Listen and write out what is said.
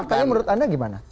faktanya menurut anda gimana